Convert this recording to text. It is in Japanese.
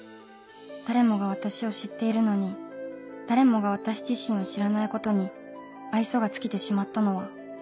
誰もが私を知っているのに誰もが私自身を知らないことに愛想が尽きてしまったのは